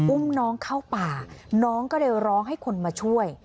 อุ้มน้องเข้าป่าน้องก็เลยร้องให้คนมาช่วย